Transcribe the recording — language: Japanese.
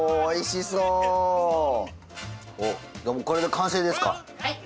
これで完成ですか。